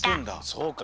そうか。